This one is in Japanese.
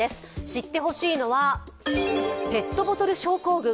知ってほしいのはペットボトル症候群。